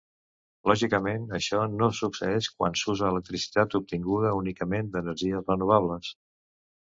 Lògicament, això no succeeix quan s'usa electricitat obtinguda únicament d'energies renovables.